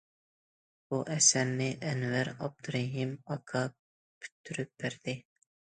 بۇ ئەسەرنى ئەنۋەر ئابدۇرېھىم ئاكا پۈتتۈرۈپ بەردى.